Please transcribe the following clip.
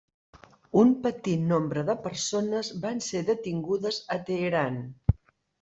Un petit nombre de persones van ser detingudes a Teheran.